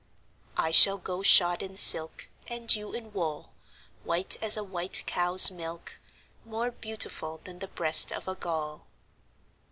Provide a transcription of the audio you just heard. I shall go shod in silk, And you in wool, White as a white cow's milk, More beautiful Than the breast of a gull.